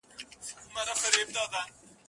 نور یې بس کړه کندهاره دا د وینو داستانونه